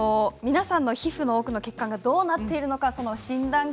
皆さんの皮膚の奥の血管がどうなっているのか診断